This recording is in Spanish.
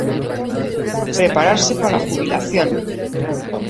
Prepararse para la jubilación